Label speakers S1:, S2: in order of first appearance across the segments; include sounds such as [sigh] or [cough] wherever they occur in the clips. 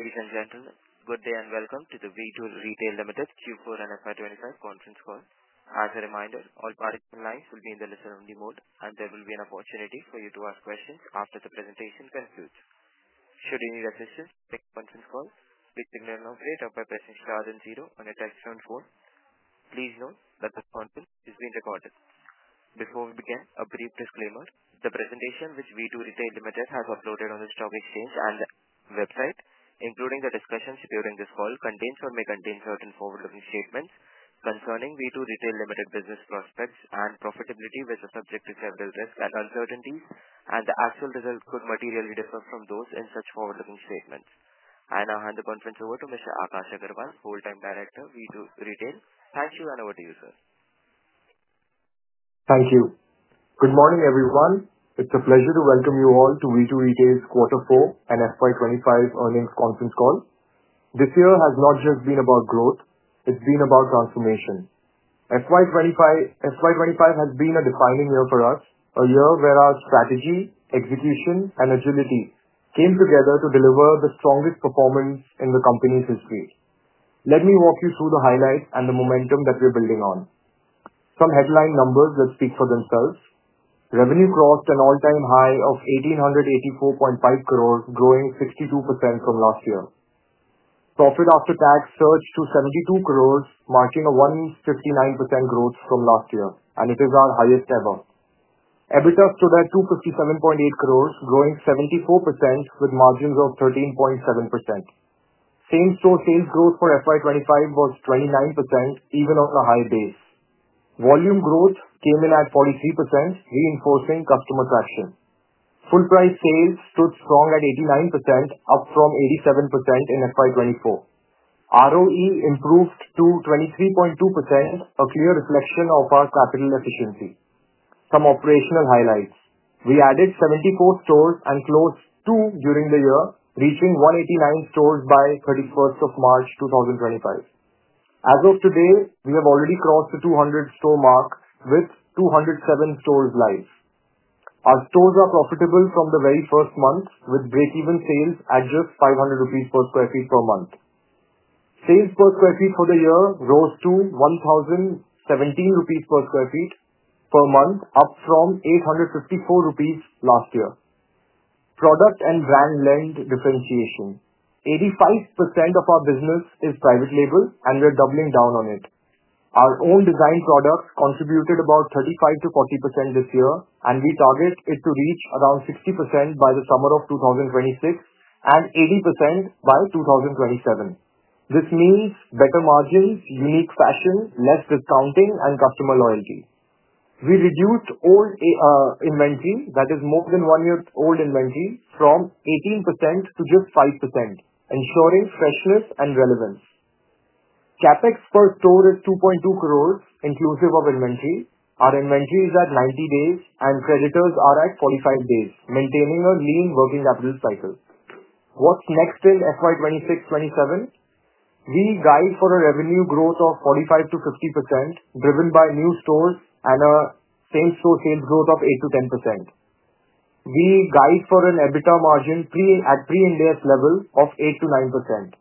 S1: Ladies and gentlemen, good day and welcome to the V2 Retail Limited Q4 and FY25 conference call. As a reminder, all participant lines will be in the listen-only mode, and there will be an opportunity for you to ask questions after the presentation concludes. Should you need assistance during the conference call, please ignore the announcement or press star and zero on your touch-on phone. Please note that this conference is being recorded. Before we begin, a brief disclaimer: the presentation which V2 Retail Limited has uploaded on the stock exchange and the website, including the discussions during this call, contains or may contain certain forward-looking statements concerning V2 Retail Limited business prospects and profitability, which is subject to several risks and uncertainties, and the actual results could materially differ from those in such forward-looking statements. I will hand the conference over to Mr. Akash Agarwal, Full-Time Director, V2 Retail. Thank you, and over to you, sir.
S2: Thank you. Good morning, everyone. It's a pleasure to welcome you all to V2 Retail's Q4 and FY25 earnings conference call. This year has not just been about growth; it's been about transformation. FY25 has been a defining year for us, a year where our strategy, execution, and agility came together to deliver the strongest performance in the company's history. Let me walk you through the highlights and the momentum that we're building on. Some headline numbers that speak for themselves: Revenue crossed an all-time high of 1,884.5 crore, growing 62% from last year. Profit after tax surged to 72 crore, marking a 159% growth from last year, and it is our highest ever. EBITDA stood at 257.8 crore, growing 74% with margins of 13.7%. Same-store sales growth for FY25 was 29%, even on a high base. Volume growth came in at 43%, reinforcing customer traction. Full-price sales stood strong at 89%, up from 87% in FY24. ROE improved to 23.2%, a clear reflection of our capital efficiency. Some operational highlights: We added 74 stores and closed 2 during the year, reaching 189 stores by March 31, 2025. As of today, we have already crossed the 200-store mark, with 207 stores live. Our stores are profitable from the very first month, with break-even sales at just 500 rupees per sq ft per month. Sales per sq ft for the year rose to 1,017 rupees per sq ft per month, up from 854 rupees last year. Product and brand lend differentiation: 85% of our business is private label, and we're doubling down on it. Our own design products contributed about 35%-40% this year, and we target it to reach around 60% by the summer of 2026 and 80% by 2027. This means better margins, unique fashion, less discounting, and customer loyalty. We reduced old inventory—that is, more than one year's old inventory—from 18% to just 5%, ensuring freshness and relevance. CapEx per store is 2.2 crore, inclusive of inventory. Our inventory is at 90 days, and creditors are at 45 days, maintaining a lean working capital cycle. What is next in FY26-27? We guide for a revenue growth of 45%-50%, driven by new stores and a same-store sales growth of 8%-10%. We guide for an EBITDA margin at pre-index level of 8%-9%.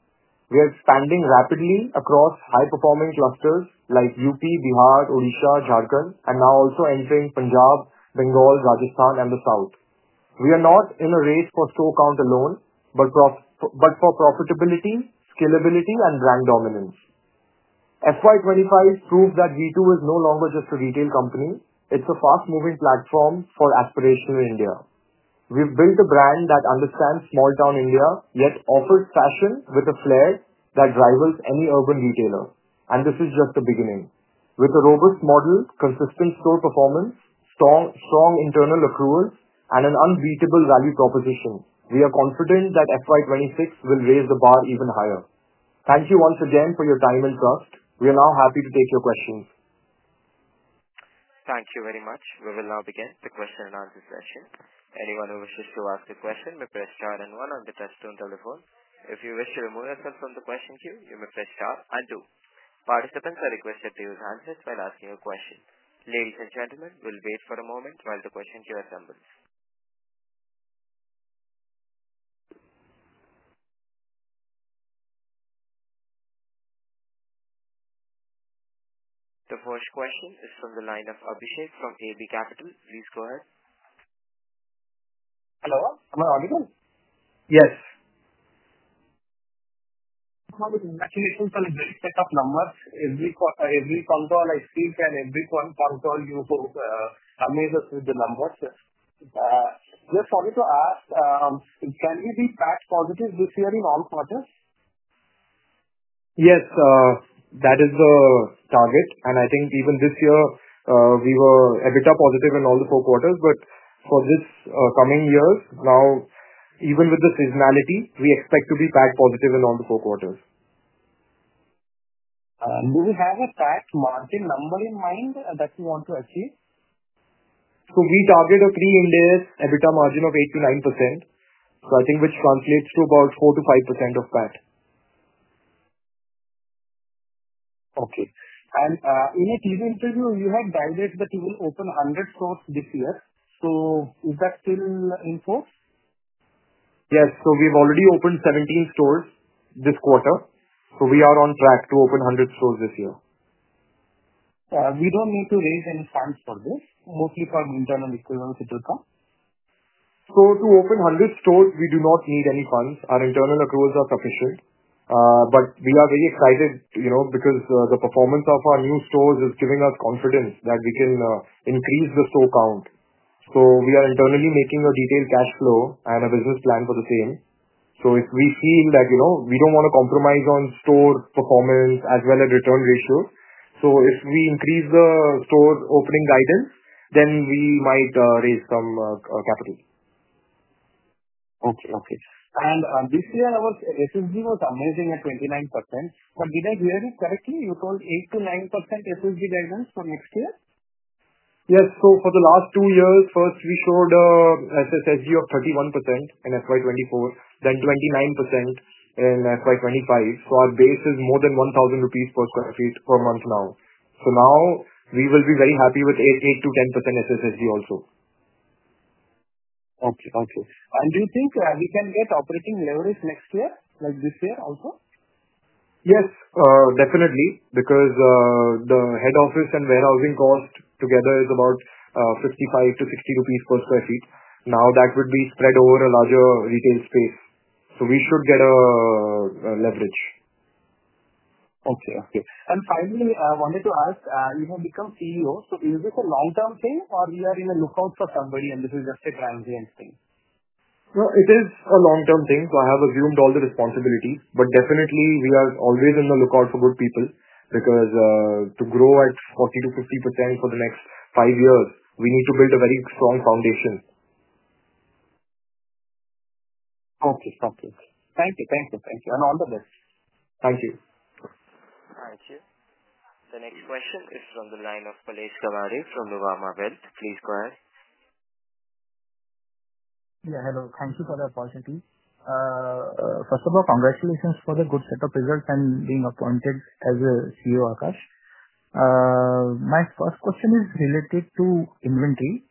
S2: We are expanding rapidly across high-performing clusters like Uttar Pradesh, Bihar, Odisha, Jharkhand, and now also entering Punjab, Bengal, Rajasthan, and the South. We are not in a race for store count alone but for profitability, scalability, and brand dominance. FY25 proves that V2 is no longer just a retail company. It is a fast-moving platform for aspirational India. We have built a brand that understands small-town India yet offers fashion with a flair that rivals any urban retailer, and this is just the beginning. With a robust model, consistent store performance, strong internal accruals, and an unbeatable value proposition, we are confident that FY26 will raise the bar even higher. Thank you once again for your time and trust. We are now happy to take your questions.
S1: Thank you very much. We will now begin the question and answer session. Anyone who wishes to ask a question may press star and one on the touch-tone telephone. If you wish to remove yourself from the question queue, you may press star and two. Participants are requested to use handsets while asking a question. Ladies and gentlemen, we'll wait for a moment while the question queue assembles. The first question is from the line of Abhishek from AB Capital. Please go ahead. Hello. Am I audible?
S2: Yes. How are you? Actually, since I've just picked up numbers, every console I see and every console you've amazed us with the numbers. Just wanted to ask, can we be PAT positive this year in all quarters? Yes. That is the target. I think even this year, we were EBITDA positive in all the four quarters. For this coming year, now, even with the seasonality, we expect to be PAT positive in all the four quarters. Do we have a PAT margin number in mind that you want to achieve? We target a pre-index EBITDA margin of 8%-9%, which translates to about 4%-5% of that. Okay. In a TV interview, you had guided that you will open 100 stores this year. Is that still in force? Yes. We have already opened 17 stores this quarter. We are on track to open 100 stores this year. We don't need to raise any funds for this, mostly from internal accruals, it looks like? To open 100 stores, we do not need any funds. Our internal accruals are sufficient. We are very excited because the performance of our new stores is giving us confidence that we can increase the store count. We are internally making a detailed cash flow and a business plan for the same. If we feel that we do not want to compromise on store performance as well as return ratios, if we increase the store opening guidance, then we might raise some capital. Okay. Okay. This year, SSSG was amazing at 29%. Did I hear it correctly? You told 8%-9% SSSG guidance for next year? Yes. For the last two years, first, we showed SSSG of 31% in FY24, then 29% in FY25. Our base is more than 1,000 rupees per sq ft per month now. We will be very happy with 8%-10% SSSG also. Okay. Okay. Do you think we can get operating leverage next year, like this year also? Yes, definitely, because the head office and warehousing cost together is about 55-60 rupees per sq ft. Now that would be spread over a larger retail space. So we should get a leverage. Okay. Okay. Finally, I wanted to ask, you have become CEO. Is this a long-term thing, or are you in the lookout for somebody, and this is just a transient thing? It is a long-term thing. I have assumed all the responsibilities. Definitely, we are always in the lookout for good people because to grow at 40%-50% for the next five years, we need to build a very strong foundation. Okay. Thank you. All the best. Thank you.
S1: Thank you. The next question is from the line of Balesh Kavuri from Varma Wealth. Please go ahead.
S3: Yeah. Hello. Thank you for the opportunity. First of all, congratulations for the good set of results and being appointed as CEO, Akash. My first question is related to inventory.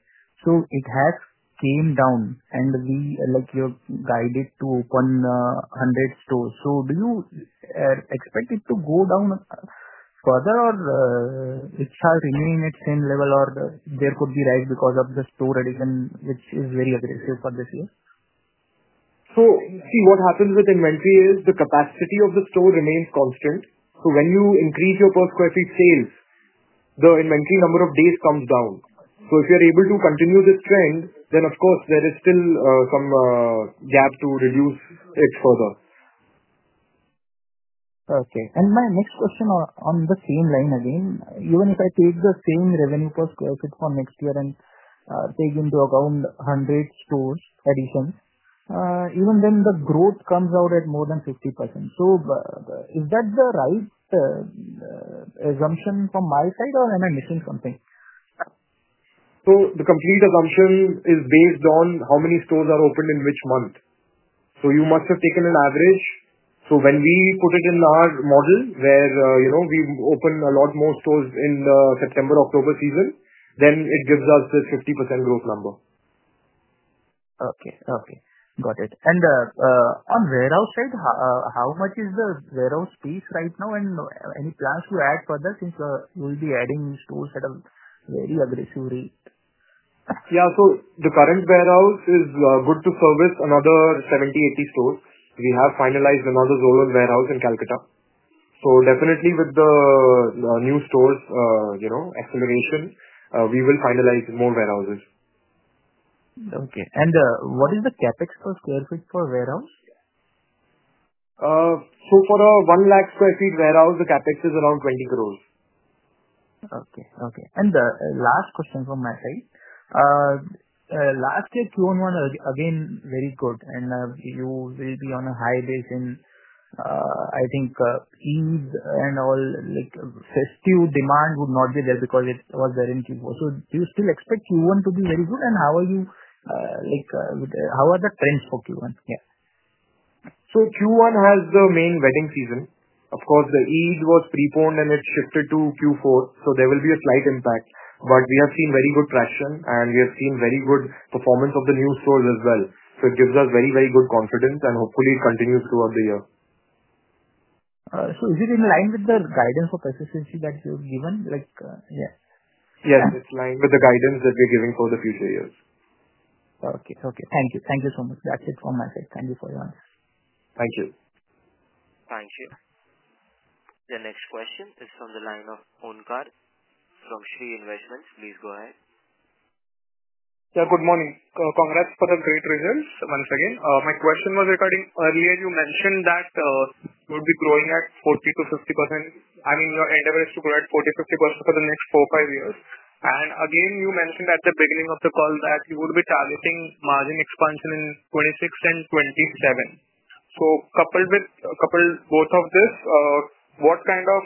S3: So it has come down, and you guided to open 100 stores. Do you expect it to go down further, or it shall remain at the same level, or there could be a rise because of the store addition, which is very aggressive for this year?
S2: See, what happens with inventory is the capacity of the store remains constant. When you increase your per sq ft sales, the inventory number of days comes down. If you're able to continue this trend, then, of course, there is still some gap to reduce it further.
S3: Okay. My next question on the same line again. Even if I take the same revenue per sq ft for next year and take into account 100 stores' addition, even then, the growth comes out at more than 50%. Is that the right assumption from my side, or am I missing something?
S2: The complete assumption is based on how many stores are opened in which month. You must have taken an average. When we put it in our model where we open a lot more stores in the September-October season, it gives us this 50% growth number.
S3: Okay. Okay. Got it. On warehouse side, how much is the warehouse space right now, and any plans to add further since you'll be adding stores at a very aggressive rate?
S2: Yeah. The current warehouse is good to service another 70-80 stores. We have finalized another zonal warehouse in Kolkata. Definitely, with the new stores' acceleration, we will finalize more warehouses.
S3: Okay. What is the CapEx per sq ft for warehouse?
S2: For a 1 lakh sq ft warehouse, the CapEx is around INR 20 crore.
S3: Okay. Okay. Last question from my side. Last year, Q1 was again very good, and you will be on a high base. I think Eid and all festive demand would not be there because it was there in Q4. Do you still expect Q1 to be very good, and how are the trends for Q1? Yeah.
S2: Q1 has the main wedding season. Of course, the Eid was preponed, and it shifted to Q4. There will be a slight impact. We have seen very good traction, and we have seen very good performance of the new stores as well. It gives us very, very good confidence, and hopefully, it continues throughout the year.
S3: Is it in line with the guidance of SSSG that you've given? Yeah.
S2: Yes. It's in line with the guidance that we're giving for the future years.
S3: Okay. Okay. Thank you. Thank you so much. That's it from my side. Thank you for your answers.
S2: Thank you.
S1: Thank you. The next question is from the line of Oankar from Shree Investments. Please go ahead. Yeah. Good morning. Congrats for the great results once again. My question was regarding earlier you mentioned that you would be growing at 40%-50%. I mean, your endeavor is to grow at 40%-50% for the next four or five years. I mean, you mentioned at the beginning of the call that you would be targeting margin expansion in 2026 and 2027. Coupled with both of this, what kind of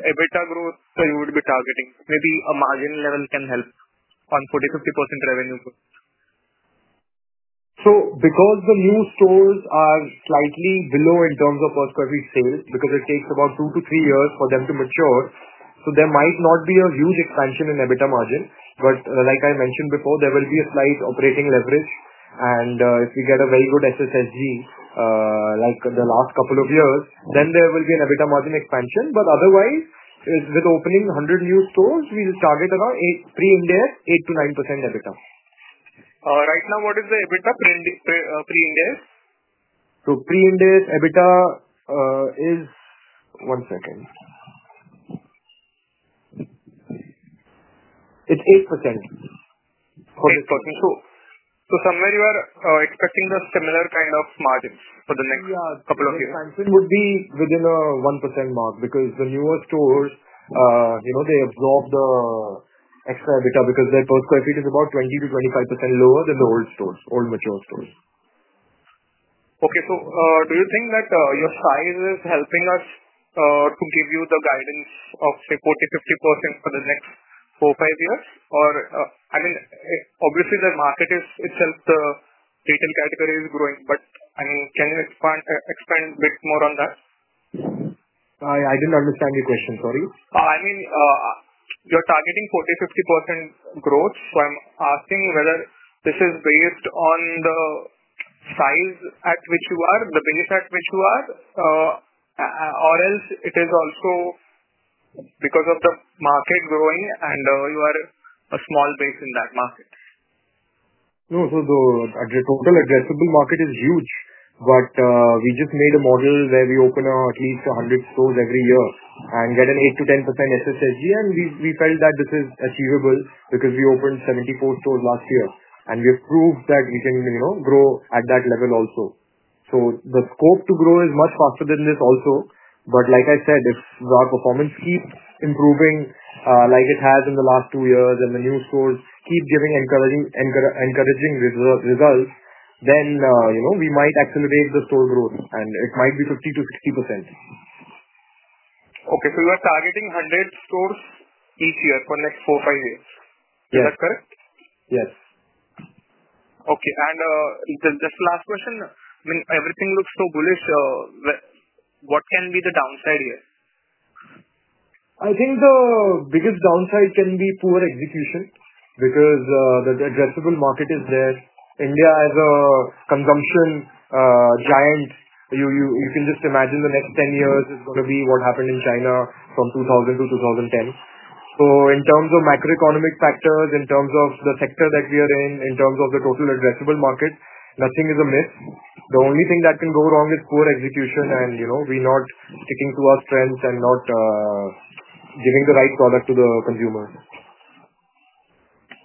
S1: EBITDA growth are you would be targeting? Maybe a margin level can help on 40%-50% revenue growth.
S2: Because the new stores are slightly below in terms of per sq ft sales because it takes about two to three years for them to mature, there might not be a huge expansion in EBITDA margin. Like I mentioned before, there will be a slight operating leverage. If we get a very good SSSG like the last couple of years, then there will be an EBITDA margin expansion. Otherwise, with opening 100 new stores, we will target around pre-index 8%-9% EBITDA. Right now, what is the EBITDA pre-index? Pre-index EBITDA is one second. It's 8% for this question. Somewhere, you are expecting the similar kind of margins for the next couple of years. Yeah. The expansion would be within the 1% mark because the newer stores, they absorb the extra EBITDA because their per sq ft is about 20%-25% lower than the old stores, old mature stores. Okay. Do you think that your size is helping us to give you the guidance of, say, 40%-50% for the next four or five years? I mean, obviously, the market itself, the retail category is growing. I mean, can you expand a bit more on that? I didn't understand your question. Sorry. I mean, you're targeting 40%-50% growth. So I'm asking whether this is based on the size at which you are, the base at which you are, or else it is also because of the market growing and you are a small base in that market? No. The total addressable market is huge. We just made a model where we open at least 100 stores every year and get an 8%-10% SSSG. We felt that this is achievable because we opened 74 stores last year. We have proved that we can grow at that level also. The scope to grow is much faster than this also. Like I said, if our performance keeps improving like it has in the last two years and the new stores keep giving encouraging results, we might accelerate the store growth. It might be 50%-60%. Okay. So you are targeting 100 stores each year for the next four or five years. Is that correct? Yes. Okay. And just last question. I mean, everything looks so bullish. What can be the downside here? I think the biggest downside can be poor execution because the addressable market is there. India is a consumption giant. You can just imagine the next 10 years is going to be what happened in China from 2000-2010. In terms of macroeconomic factors, in terms of the sector that we are in, in terms of the total addressable market, nothing is a miss. The only thing that can go wrong is poor execution and we not sticking to our strengths and not giving the right product to the consumers.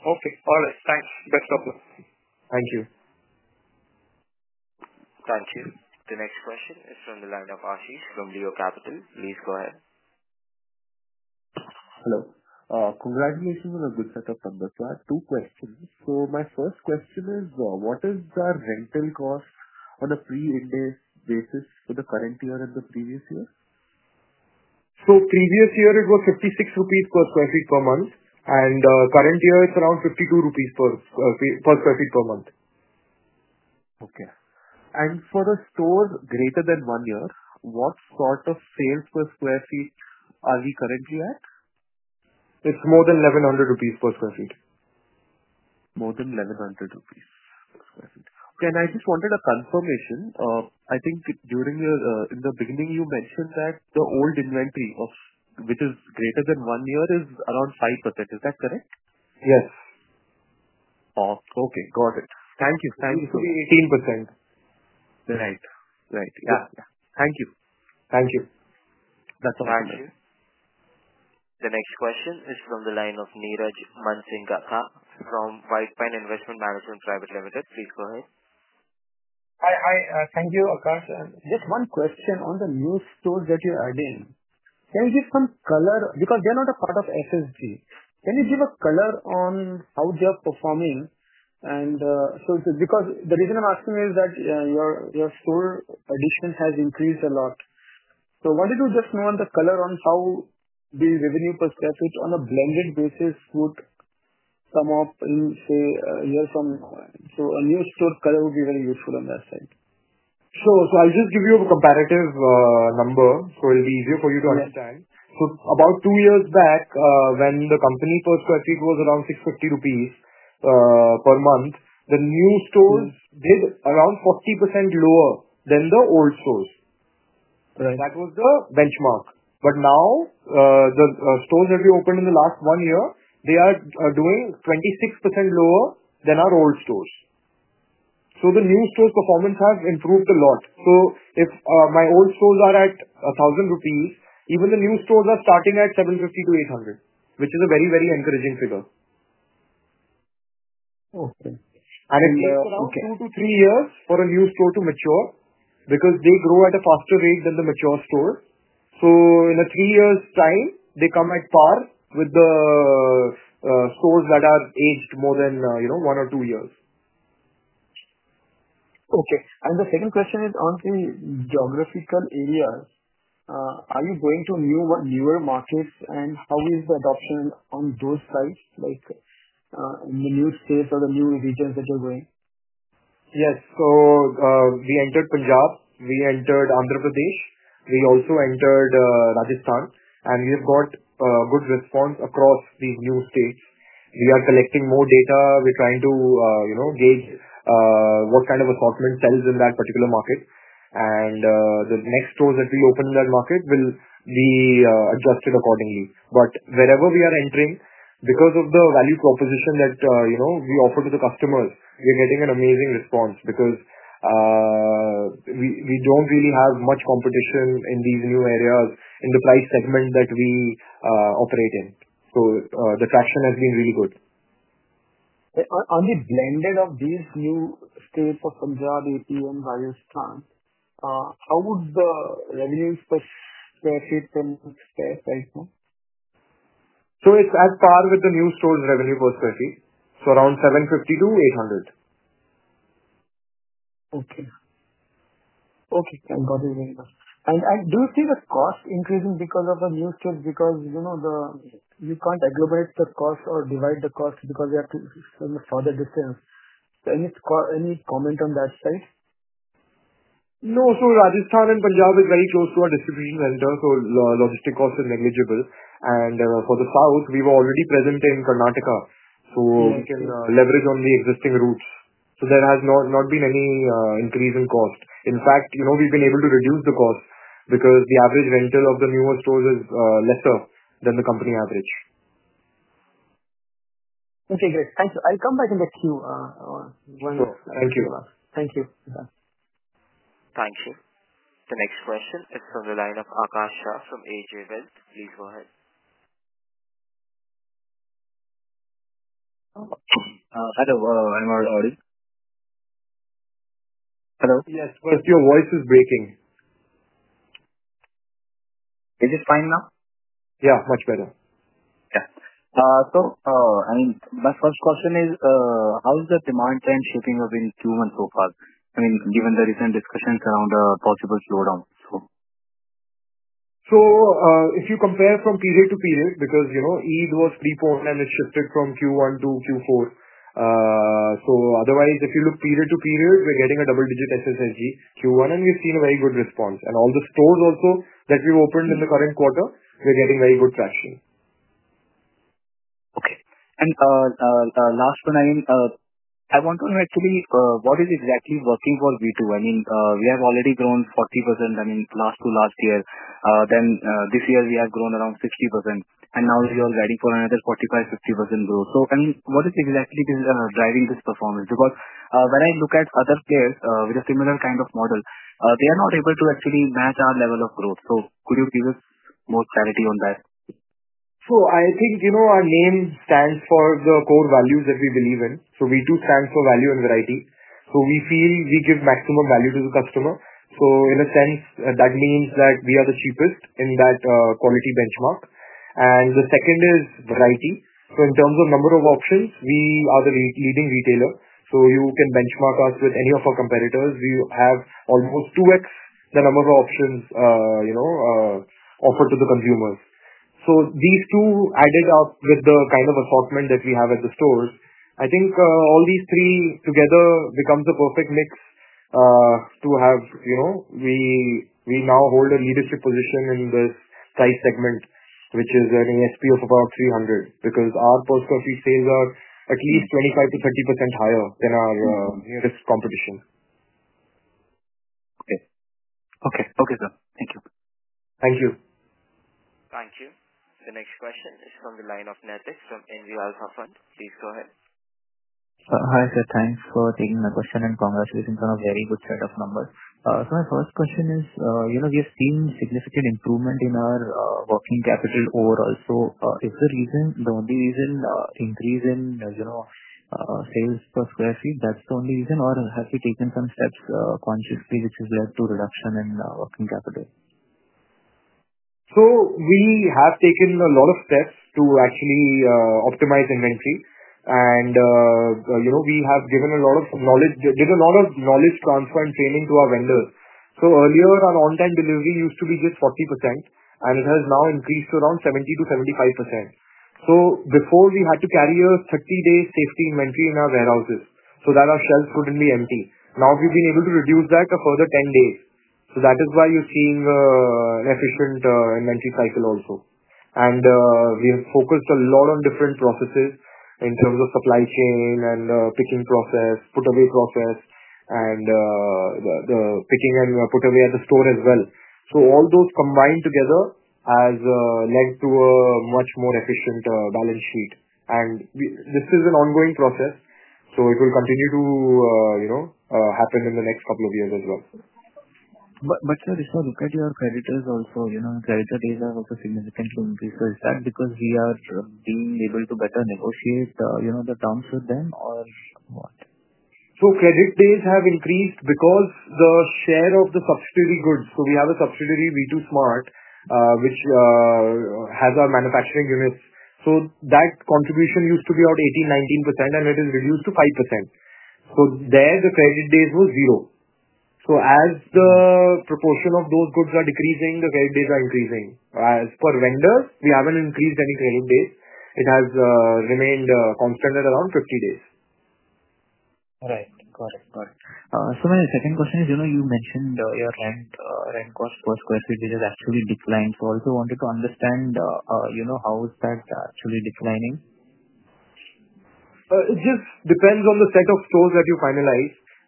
S2: Okay. All right. Thanks. Best of luck. Thank you.
S1: Thank you. The next question is from the line of Ashish from Leo Capital. Please go ahead. Hello. Congratulations on a good setup, [Amrit]. I have two questions. My first question is, what is the rental cost on a pre-index basis for the current year and the previous year?
S2: Previous year, it was 56 rupees per sq ft per month. Current year, it's around 52 rupees per sq ft per month. Okay. For the stores greater than one year, what sort of sales per sq ft are we currently at? It's more than 1,100 rupees per sq ft. More than 1,100 rupees per sq ft. Okay. I just wanted a confirmation. I think during the, in the beginning, you mentioned that the old inventory, which is greater than one year, is around 5%. Is that correct? Yes. Okay. Got it. Thank you. Thank you so much. It used to be 18%. Right. Yeah. Thank you. Thank you. That's all.
S1: Thank you. The next question is from the line of Niraj Mansingka from White Pine Investment Management Private Limited. Please go ahead.
S4: Hi. Thank you, Akash. Just one question on the new stores that you're adding. Can you give some color because they're not a part of SSSG? Can you give a color on how they are performing? The reason I'm asking is that your store addition has increased a lot. I wanted to just know the color on how the revenue per sq ft on a blended basis would come up in, say, a year from now. A new store color would be very useful on that side.
S2: Sure. I'll just give you a comparative number so it'll be easier for you to understand. About two years back, when the company per sq ft was around INR 650 per month, the new stores did around 40% lower than the old stores. That was the benchmark. Now, the stores that we opened in the last one year, they are doing 26% lower than our old stores. The new stores' performance has improved a lot. If my old stores are at 1,000 rupees, even the new stores are starting at 750-800, which is a very, very encouraging figure.
S4: Okay.
S2: It takes around 2-3 years for a new store to mature because they grow at a faster rate than the mature stores. In a three-year time, they come at par with the stores that are aged more than one or two years.
S4: Okay. The second question is on the geographical areas. Are you going to newer markets, and how is the adoption on those sites in the new states or the new regions that you're going?
S2: Yes. We entered Punjab. We entered Andhra Pradesh. We also entered Rajasthan. We have got a good response across these new states. We are collecting more data. We're trying to gauge what kind of assortment sells in that particular market. The next stores that we open in that market will be adjusted accordingly. Wherever we are entering, because of the value proposition that we offer to the customers, we are getting an amazing response because we do not really have much competition in these new areas in the price segment that we operate in. The traction has been really good.
S4: On the blended of these new states of Punjab, AP, Rajasthan, how would the revenue per sq ft then stay right now?
S2: It's at par with the new stores' revenue per sq ft, so around 750-800.
S4: Okay. Okay. I got it very well. Do you see the cost increasing because of the new states because you can't agglomerate the cost or divide the cost because you have to send a farther distance? Any comment on that side?
S2: No. Rajasthan and Punjab are very close to our distribution center, so logistic costs are negligible. For the south, we were already present in Karnataka, so we can leverage on the existing routes. There has not been any increase in cost. In fact, we've been able to reduce the cost because the average rental of the newer stores is lesser than the company average.
S4: Okay. Great. Thank you. I'll come back in the queue once you are there.
S2: Thank you.
S4: Thank you.
S1: Thank you. The next question is from the line of [Akash Agarwa] from AJ Wealth. Please go ahead. Hello. I'm [l audible].
S2: Hello? Yes. Just your voice is breaking. Is it fine now? Yeah. Much better. Yeah. So I mean, my first question is, how is the demand trend shaping up in Q1 so far? I mean, given the recent discussions around a possible slowdown. If you compare from period to period because Eid was prepone, and it shifted from Q1-Q4. Otherwise, if you look period to period, we're getting a double-digit SSSG Q1, and we've seen a very good response. All the stores also that we've opened in the current quarter, we're getting very good traction. Okay. Last one, I mean, I want to know actually what is exactly working for V2. I mean, we have already grown 40% last to last year. Then this year, we have grown around 60%. Now, we are riding for another 45%-50% growth. I mean, what is exactly driving this performance? Because when I look at other players with a similar kind of model, they are not able to actually match our level of growth. Could you give us more clarity on that? I think our name stands for the core values that we believe in. V2 stands for value and variety. We feel we give maximum value to the customer. In a sense, that means that we are the cheapest in that quality benchmark. The second is variety. In terms of number of options, we are the leading retailer. You can benchmark us with any of our competitors. We have almost 2X the number of options offered to the consumers. These two added up with the kind of assortment that we have at the stores, I think all these three together becomes a perfect mix to have. We now hold a leadership position in this price segment, which is an ASP of about 300 because our per sq ft sales are at least 25%-30% higher than our nearest competition. Okay. Okay. Okay, sir. Thank you. Thank you.
S1: Thank you. The next question is from the line of [Nitesh] from NV Alpha Fund. Please go ahead. Hi, sir. Thanks for taking my question and congratulations on a very good set of numbers. My first question is, we have seen significant improvement in our working capital overall. Is the reason, the only reason, increase in sales per sq ft, that's the only reason? Or have you taken some steps consciously which has led to reduction in working capital?
S2: We have taken a lot of steps to actually optimize inventory. We have given a lot of knowledge, did a lot of knowledge transfer and training to our vendors. Earlier, our on-time delivery used to be just 40%, and it has now increased to around 70%-75%. Before, we had to carry a 30-day safety inventory in our warehouses so that our shelves would not be empty. Now, we have been able to reduce that a further 10 days. That is why you are seeing an efficient inventory cycle also. We have focused a lot on different processes in terms of supply chain and picking process, put-away process, and the picking and put-away at the store as well. All those combined together has led to a much more efficient balance sheet. This is an ongoing process. So it will continue to happen in the next couple of years as well. [So], if I look at your creditors also, creditors' days have also significantly increased. Is that because we are being able to better negotiate the terms with them or what? Credit days have increased because the share of the subsidiary goods—so we have a subsidiary, V2 Smart, which has our manufacturing units—so that contribution used to be about 18%-19%, and it has reduced to 5%. There, the credit days were zero. As the proportion of those goods are decreasing, the credit days are increasing. As per vendors, we have not increased any credit days. It has remained constant at around 50 days. Right. Got it. Got it. My second question is, you mentioned your rent cost per sq ft which has actually declined. I also wanted to understand how is that actually declining? It just depends on the set of stores that you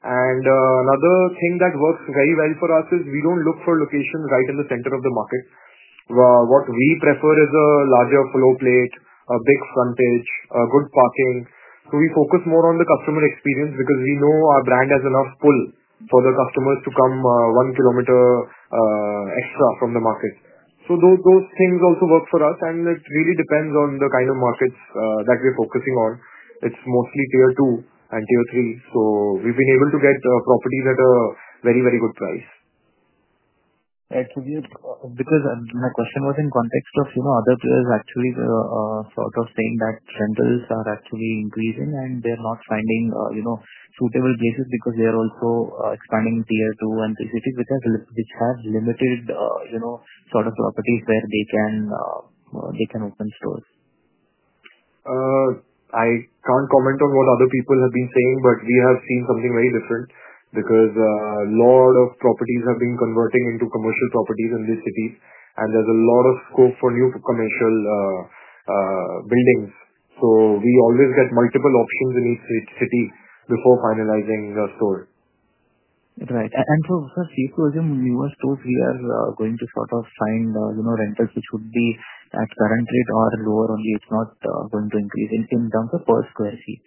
S2: finalize. Another thing that works very well for us is we don't look for locations right in the center of the market. What we prefer is a larger flow plate, a big frontage, good parking. We focus more on the customer experience because we know our brand has enough pull for the customers to come one kilometer extra from the market. Those things also work for us. It really depends on the kind of markets that we're focusing on. It's mostly tier two and tier three. We've been able to get properties at a very, very good price. Actually, because my question was in context of other players actually sort of saying that rentals are actually increasing and they are not finding suitable places because they are also expanding tier two and tier three cities which have limited sort of properties where they can open stores. I can't comment on what other people have been saying, but we have seen something very different because a lot of properties have been converting into commercial properties in these cities. There is a lot of scope for new commercial buildings. We always get multiple options in each city before finalizing a store. Right. If you assume newer stores, we are going to sort of find rentals which would be at current rate or lower only, it's not going to increase in terms of per sq ft.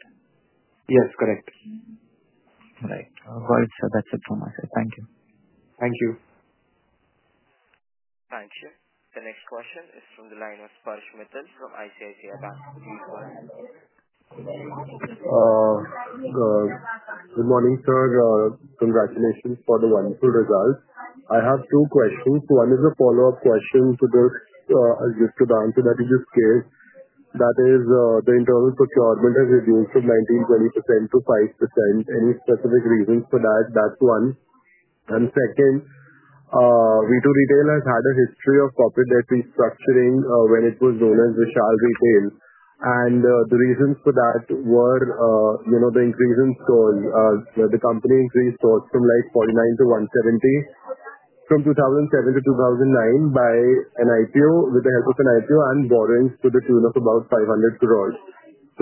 S2: Yes. Correct. Right. Got it, sir. That's it from my side. Thank you. Thank you.
S1: Thank you. The next question is from the line of. [audio distortion] Good morning, sir. Congratulations for the wonderful results. I have two questions. One is a follow-up question to just the answer that you just gave. That is, the internal procurement has reduced from 19% -20% to 5%. Any specific reasons for that? That's one. Second, V2 Retail has had a history of corporate debt restructuring when it was known as Vishal Retail. The reasons for that were the increase in stores. The company increased stores from like 49-170 from 2007-2009 by an IPO, with the help of an IPO and borrowings to the tune of about 500 crore.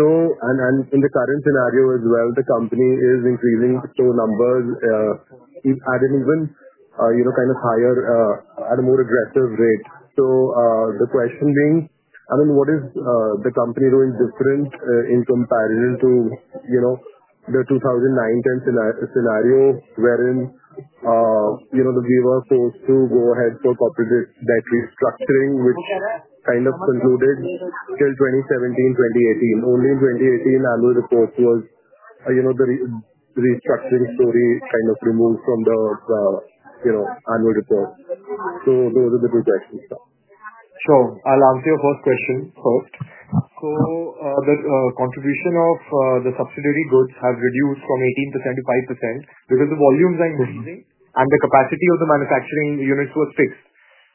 S1: In the current scenario as well, the company is increasing its numbers at an even kind of higher, at a more aggressive rate. The question being, I mean, what is the company doing different in comparison to the 2009-2010 scenario wherein we were forced to go ahead for corporate debt restructuring, which kind of concluded till 2017, 2018? Only in 2018, annual report was the restructuring story kind of removed from the annual report. Those are the two questions.
S2: Sure. I'll answer your first question first. The contribution of the subsidiary goods has reduced from 18%-5% because the volumes are increasing and the capacity of the manufacturing units was fixed.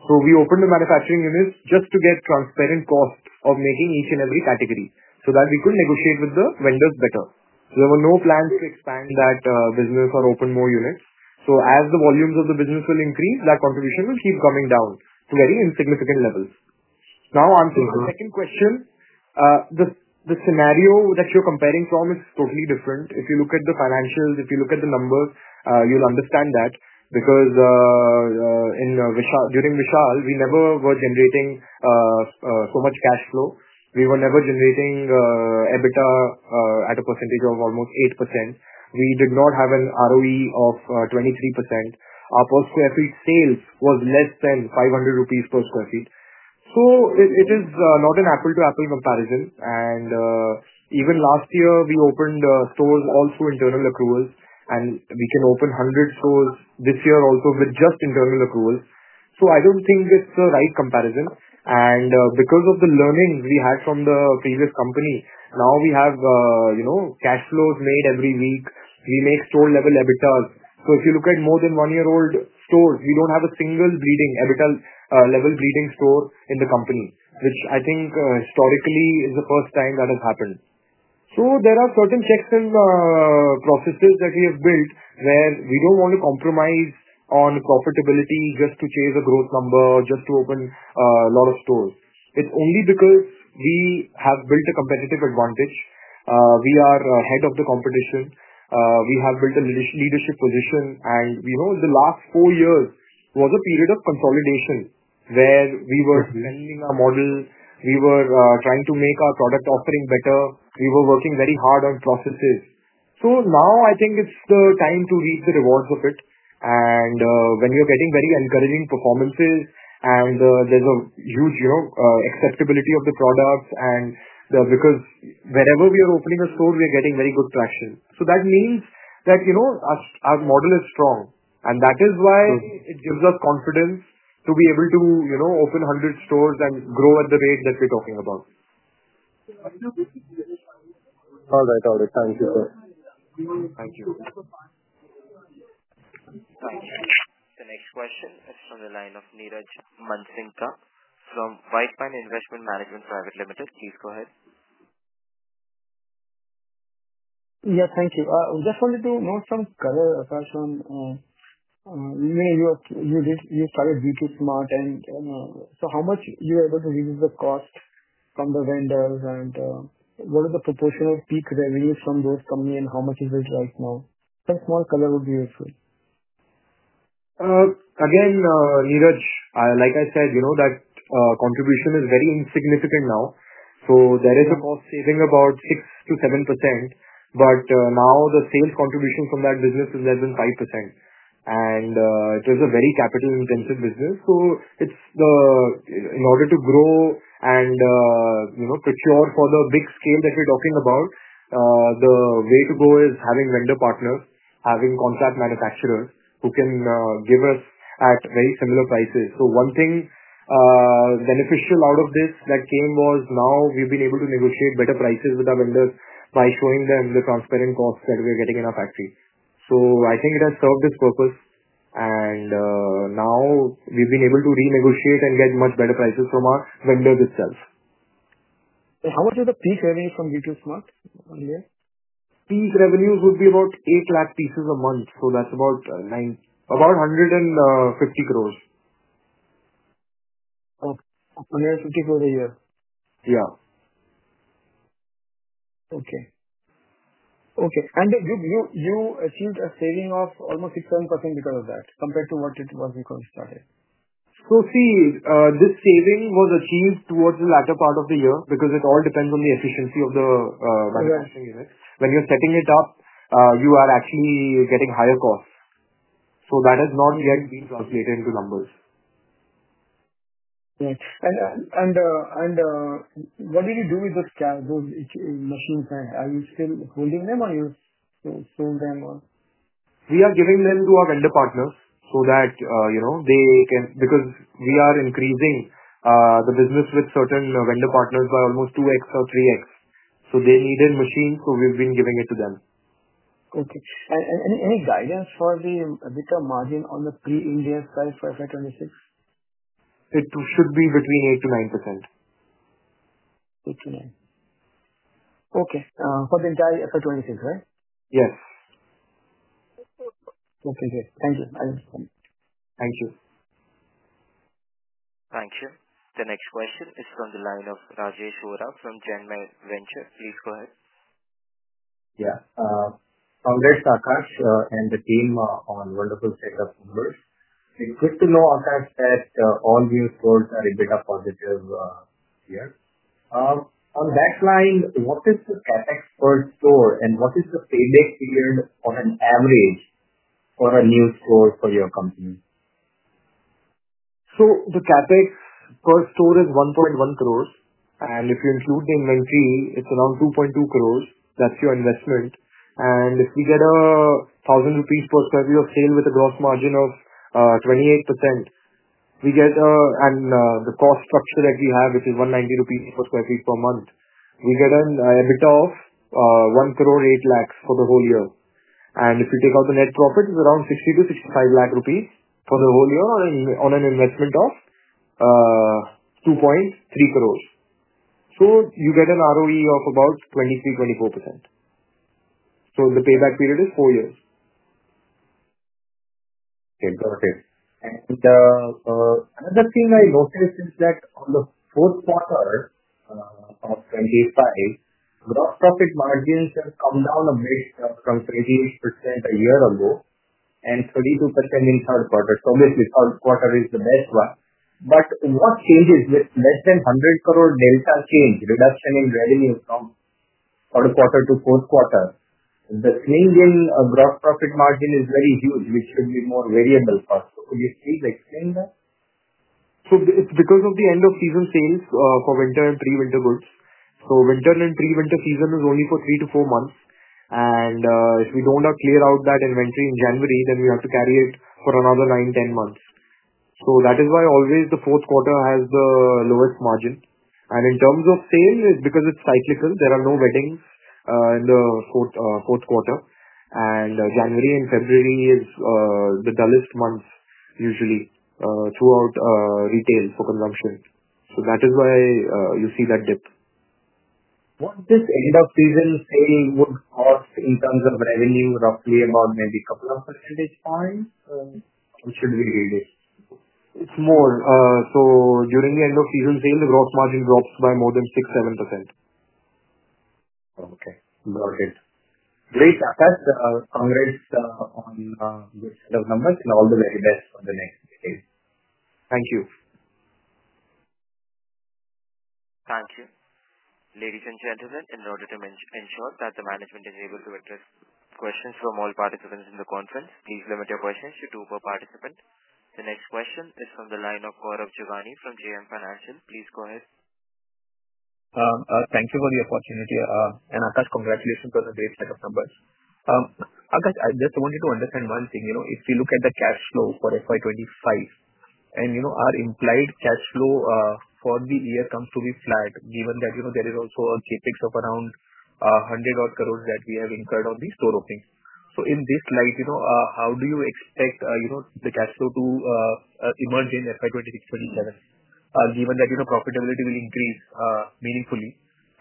S2: We opened the manufacturing units just to get transparent costs of making each and every category so that we could negotiate with the vendors better. There were no plans to expand that business or open more units. As the volumes of the business will increase, that contribution will keep coming down to very insignificant levels. Now, answering the second question, the scenario that you're comparing from is totally different. If you look at the financials, if you look at the numbers, you'll understand that because during Vishal, we never were generating so much cash flow. We were never generating EBITDA at a percentage of almost 8%. We did not have an ROE of 23%. Our per sq ft sales was less than 500 rupees per sq ft. It is not an apple-to-apple comparison. Even last year, we opened stores also internal accruals. We can open 100 stores this year also with just internal accruals. I do not think it is the right comparison. Because of the learnings we had from the previous company, now we have cash flows made every week. We make store-level EBITDAs. If you look at more than one-year-old stores, we do not have a single EBITDA-level bleeding store in the company, which I think historically is the first time that has happened. There are certain checks and processes that we have built where we do not want to compromise on profitability just to chase a growth number or just to open a lot of stores. is only because we have built a competitive advantage. We are ahead of the competition. We have built a leadership position. The last four years was a period of consolidation where we were selling our model. We were trying to make our product offering better. We were working very hard on processes. Now, I think it is the time to reap the rewards of it. When you are getting very encouraging performances and there is a huge acceptability of the products because wherever we are opening a store, we are getting very good traction. That means that our model is strong. That is why it gives us confidence to be able to open 100 stores and grow at the rate that we are talking about. All right. All right. Thank you, sir. Thank you.
S1: Thank you. The next question is from the line of Niraj Mansingka from White Pine Investment Management Private Limited. Please go ahead.
S4: Yes. Thank you. I just wanted to know some color as far as you started V2 Smart. How much were you able to reduce the cost from the vendors? What is the proportion of peak revenue from those companies? How much is it right now? Some small color would be useful.
S2: Again, Niraj, like I said, that contribution is very insignificant now. There is a cost saving of about 6%-7%. Now, the sales contribution from that business is less than 5%. It is a very capital-intensive business. In order to grow and procure for the big scale that we're talking about, the way to go is having vendor partners, having contract manufacturers who can give us at very similar prices. One thing beneficial out of this that came was now we've been able to negotiate better prices with our vendors by showing them the transparent costs that we are getting in our factory. I think it has served its purpose. Now, we've been able to renegotiate and get much better prices from our vendors itself.
S4: How much is the peak revenue from V2 Smart one year?
S2: Peak revenues would be about 8 lakh pieces a month. So that's about 150 crore.
S4: 150 crore a year.
S2: Yeah.
S4: Okay. Okay. You achieved a saving of almost 6%-7% because of that compared to what it was before you started?
S2: See, this saving was achieved towards the latter part of the year because it all depends on the efficiency of the manufacturing unit. When you're setting it up, you are actually getting higher costs. That has not yet been translated into numbers.
S4: Right. What did you do with those machines? Are you still holding them or you sold them or?
S2: We are giving them to our vendor partners so that they can, because we are increasing the business with certain vendor partners by almost 2x or 3x. They needed machines, so we've been giving it to them.
S4: Okay. Any guidance for the EBITDA margin on the pre-India side for FY26?
S2: It should be between 8%-9%.
S4: 8%-9%. Okay. For the entire FY26, right?
S2: Yes.
S4: Okay. Great. Thank you. I understand.
S2: Thank you.
S1: Thank you. The next question is from the line of [Rajesh Ora] from Janman Ventures. Please go ahead. Yeah. Congrats, Akash, and the team on wonderful set-up numbers. It's good to know, Akash, that all new stores are EBITDA positive here. On that line, what is the CapEx per store and what is the payback period on an average for a new store for your company?
S2: The CapEx per store is 1.1 crore. If you include the inventory, it is around 2.2 crore. That is your investment. If we get 1,000 rupees per sq ft of sale with a gross margin of 28%, and the cost structure that we have, which is 190 rupees per sq ft per month, we get an EBITDA of 1.8 lakh for the whole year. If you take out the net profit, it is around 60-65 lakh rupees for the whole year on an investment of 2.3 crore. You get an ROE of about 23%-24%. The payback period is four years. Okay. Got it. Another thing I noticed is that in the fourth quarter of 2025, gross profit margins have come down a bit from 28% a year ago and 32% in the third quarter. Obviously, the third quarter is the best one. What changes with less than 100 crore delta change, reduction in revenue from the third quarter to the fourth quarter? The swing in gross profit margin is very huge, which should be more variable cost. Could you please explain that? It's because of the end of season sales for winter and pre-winter goods. Winter and pre-winter season is only for 3-4 months. If we do not clear out that inventory in January, then we have to carry it for another 9-10 months. That is why always the fourth quarter has the lowest margin. In terms of sale, because it is cyclical, there are no weddings in the fourth quarter. January and February are the dullest months usually throughout retail for consumption. That is why you see that dip. What this end of season sale would cost in terms of revenue, roughly about maybe a couple of percentage points? What should we reduce? It's more. During the end of season sale, the gross margin drops by more than 6%-7%. Okay. Got it. Great, Akash. Congrats on good set of numbers and all the very best for the next days. Thank you.
S1: Thank you. Ladies and gentlemen, in order to ensure that the management is able to address questions from all participants in the conference, please limit your questions to two per participant. The next question is from the line of Gaurav Jogani from JM Financial. Please go ahead.
S5: Thank you for the opportunity. Akash, congratulations on the great set of numbers. Akash, I just wanted to understand one thing. If we look at the cash flow for FY25 and our implied cash flow for the year comes to be flat, given that there is also a CapEx of around 100 crore that we have incurred on the store opening. In this light, how do you expect the cash flow to emerge in FY26-27, given that profitability will increase meaningfully?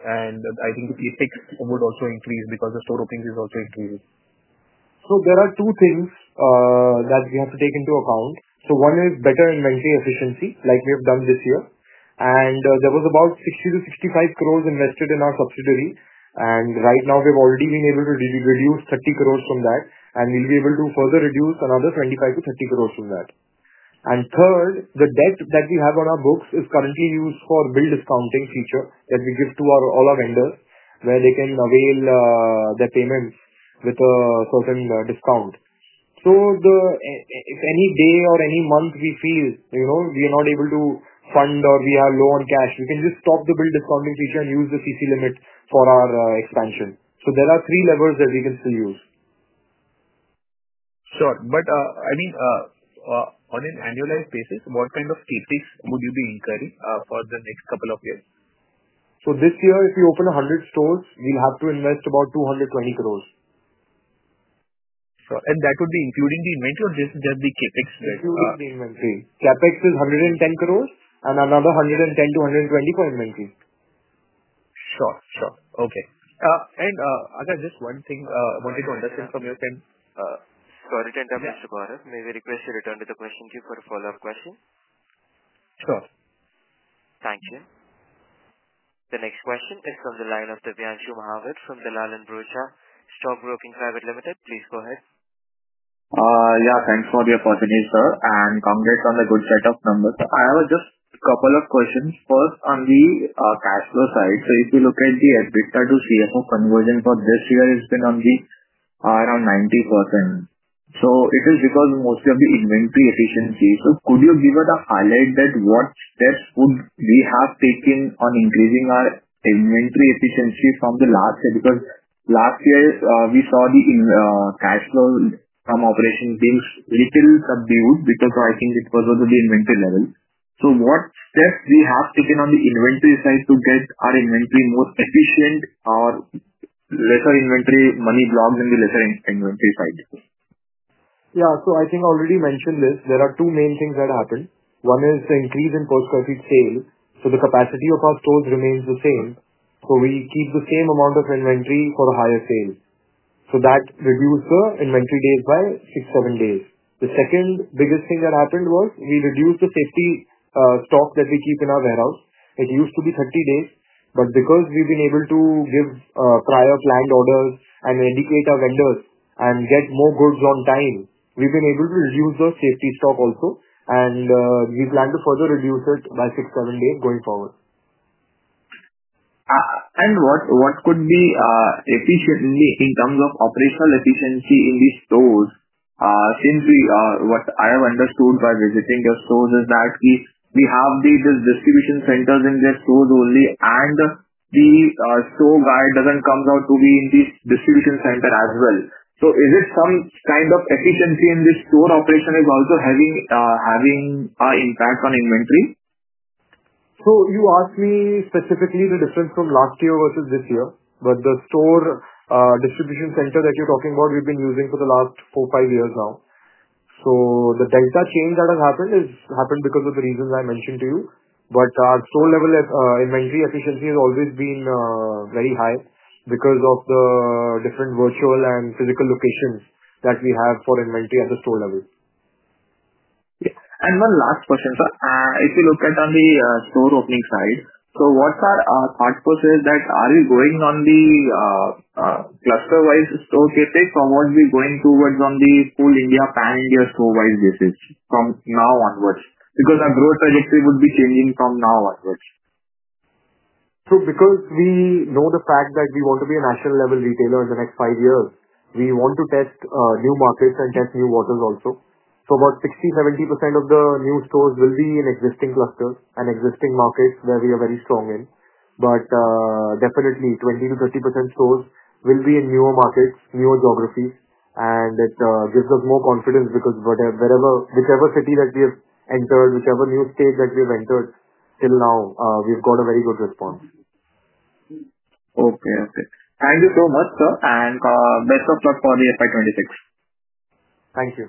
S5: I think the CapEx would also increase because the store openings is also increasing.
S2: There are two things that we have to take into account. One is better inventory efficiency, like we have done this year. There was about 60-65 crore invested in our subsidiary. Right now, we have already been able to reduce 30 crore from that. We will be able to further reduce another 25-30 crore from that. Third, the debt that we have on our books is currently used for the bill discounting feature that we give to all our vendors, where they can avail their payments with a certain discount. If any day or any month we feel we are not able to fund or we are low on cash, we can just stop the bill discounting feature and use the CC limit for our expansion. There are three levers that we can still use.
S5: Sure. I mean, on an annualized basis, what kind of CapEx would you be incurring for the next couple of years?
S2: This year, if we open 100 stores, we'll have to invest about 220 crore.
S5: Sure.
S2: That would be including the inventory or just the Capex?
S5: Including the inventory.
S2: Capex is 110 crore and another 110-120 crore for inventory.
S5: Sure. Sure. Okay. Akash, just one thing I wanted to understand from your end.
S1: Sorry to interrupt, Mr. Gaurav. May we request you return to the question queue for a follow-up question?
S5: Sure.
S1: Thank you. The next question is from the line of Devanshu Mahawar from Dalal & Broacha Stock Broking Private Limited. Please go ahead.
S6: Yeah. Thanks for the opportunity, sir. Congrats on the good set of numbers. I have just a couple of questions. First, on the cash flow side, if you look at the EBITDA to CFO conversion for this year, it's been around 90%. It is mostly because of the inventory efficiency. Could you give us a highlight of what steps we have taken on increasing our inventory efficiency from last year? Last year, we saw the cash flow from operations being a little subdued because I think it was with the inventory level. What steps have we taken on the inventory side to get our inventory more efficient or less inventory money blocked in the inventory side?
S2: Yeah. I think I already mentioned this. There are two main things that happened. One is the increase in per sq ft sale. The capacity of our stores remains the same. We keep the same amount of inventory for a higher sale. That reduced the inventory days by 6-7 days. The second biggest thing that happened was we reduced the safety stock that we keep in our warehouse. It used to be 30 days. Because we have been able to give prior planned orders and educate our vendors and get more goods on time, we have been able to reduce the safety stock also. We plan to further reduce it by 6-7 days going forward.
S6: What could be efficiently in terms of operational efficiency in these stores? Since what I have understood by visiting your stores is that we have these distribution centers in their stores only, and the store guard does not come out to be in this distribution center as well. Is it some kind of efficiency in this store operation is also having an impact on inventory?
S2: You asked me specifically the difference from last year versus this year. The store distribution center that you're talking about, we've been using for the last 4-5 years now. The delta change that has happened has happened because of the reasons I mentioned to you. Our store level inventory efficiency has always been very high because of the different virtual and physical locations that we have for inventory at the store level.
S6: Yeah. One last question, sir. If you look at on the store opening side, what are our thought process that are we going on the cluster-wise store CapEx or what are we going towards on the full India pan-India store-wise basis from now onwards? Because our growth trajectory would be changing from now onwards.
S2: Because we know the fact that we want to be a national-level retailer in the next five years, we want to test new markets and test new waters also. About 60%-70% of the new stores will be in existing clusters and existing markets where we are very strong in. Definitely, 20%-30% of stores will be in newer markets, newer geographies. It gives us more confidence because whichever city that we have entered, whichever new state that we have entered till now, we've got a very good response.
S6: Okay. Okay. Thank you so much, sir. And best of luck for the FY26.
S2: Thank you.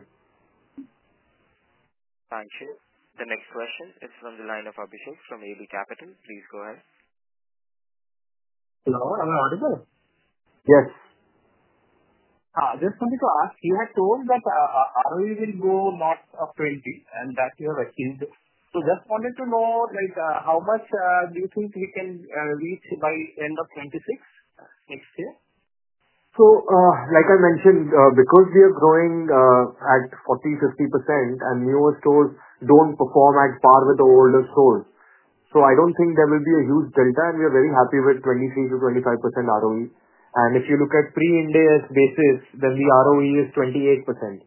S1: Thank you. The next question is from the line of Abhishek from AB Capital. Please go ahead. Hello. Am I audible?
S2: Yes. Just wanted to ask, you had told that ROE will go north of 20% and that you have achieved. Just wanted to know how much do you think we can reach by end of 2026 next year? Like I mentioned, because we are growing at 40%-50%, and newer stores do not perform at par with the older stores. I do not think there will be a huge delta. We are very happy with 23%-25% ROE. If you look at pre-India basis, then the ROE is 28%.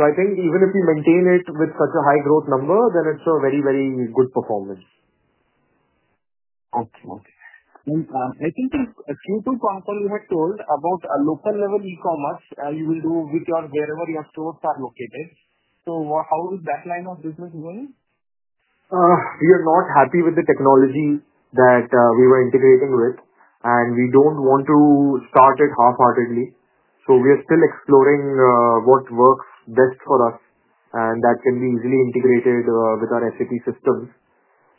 S2: I think even if we maintain it with such a high growth number, it is a very, very good performance. Okay. Okay. I think a few too far from what you had told about local-level e-commerce you will do with wherever your stores are located. How is that line of business going? We are not happy with the technology that we were integrating with. We do not want to start it half-heartedly. We are still exploring what works best for us and that can be easily integrated with our SAP systems.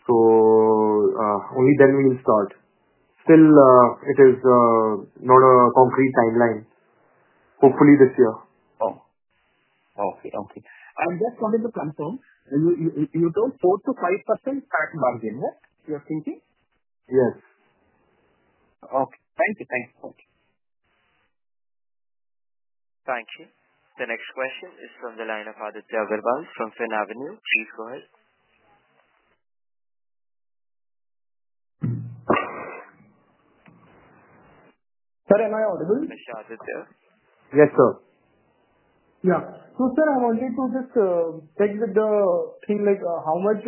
S2: Only then we will start. Still, it is not a concrete timeline. Hopefully, this year. Oh. Okay. Okay. I just wanted to confirm, you told 4%-5% margin, right? You are thinking? Yes. Okay. Thank you. Thank you.
S1: Thank you. The next question is from the line of Aditya [Agarwal] from Finn Avenue. Please go ahead. Sir, am I audible? Mr. Aditya.
S2: Yes, sir. Yeah. Sir, I wanted to just check with the thing like how much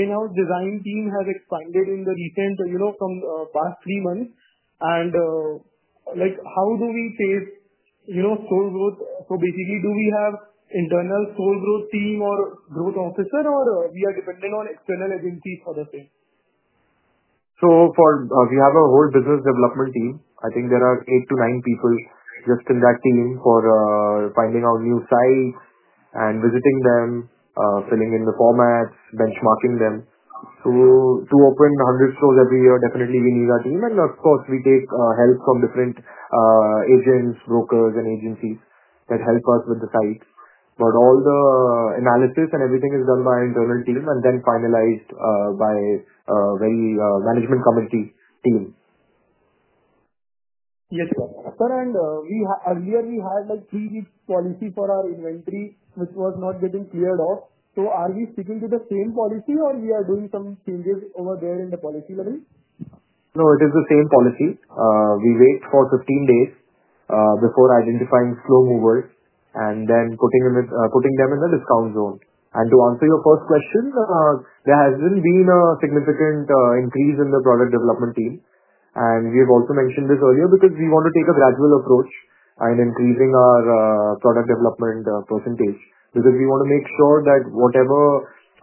S2: in-house design team has expanded in the recent past three months. How do we face store growth? Basically, do we have an internal store growth team or growth officer, or are we dependent on external agencies for the same? We have a whole business development team. I think there are 8-9 people just in that team for finding out new sites and visiting them, filling in the formats, benchmarking them. To open 100 stores every year, definitely we need our team. Of course, we take help from different agents, brokers, and agencies that help us with the sites. All the analysis and everything is done by our internal team and then finalized by a very management committee team. Yes, sir. Earlier, we had a three-week policy for our inventory, which was not getting cleared off. Are we sticking to the same policy, or are we doing some changes over there at the policy level? No, it is the same policy. We wait for 15 days before identifying slow movers and then putting them in the discount zone. To answer your first question, there hasn't been a significant increase in the product development team. We have also mentioned this earlier because we want to take a gradual approach in increasing our product development percentage because we want to make sure that whatever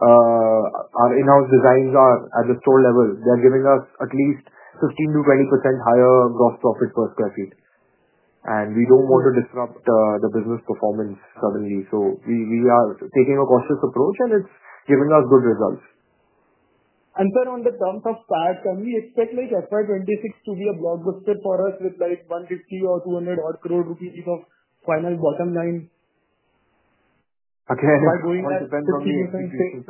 S2: our in-house designs are at the store level, they're giving us at least 15%-20% higher gross profit per sq ft. We don't want to disrupt the business performance suddenly. We are taking a cautious approach, and it's giving us good results. Sir, on the terms of [SAR], can we expect FY26 to be a blockbuster for us with 150-200 crore rupees of final bottom line? Again, it depends on the institution.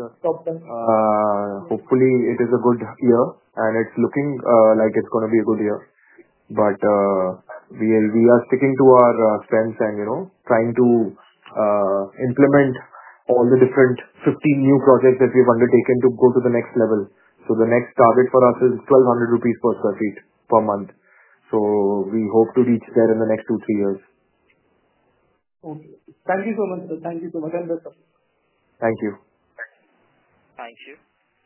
S2: Hopefully, it is a good year, and it's looking like it's going to be a good year. We are sticking to our strengths and trying to implement all the different 15 new projects that we have undertaken to go to the next level. The next target for us is 1,200 rupees per sq ft per month. We hope to reach there in the next 2-3 years. Okay. Thank you so much, sir. Thank you so much. Best of luck. Thank you.
S1: Thank you.